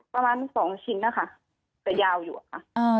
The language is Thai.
ประมาณ๒ชิ้นนะคะแต่ยาวอยู่อะค่ะ